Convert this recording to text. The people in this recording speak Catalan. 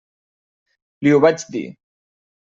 Li ho vaig dir.